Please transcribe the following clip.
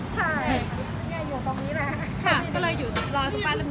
ใช่เนี่ยอยู่ตรงนี้แหนะ